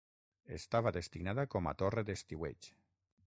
Estava destinada com a torre d'estiueig.